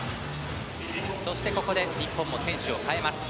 ここで日本も選手を代えます。